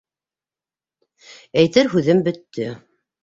Әйтер һүҙем бөттө.